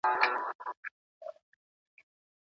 پر منبر یې نن ویله چي غلام به وي مختوری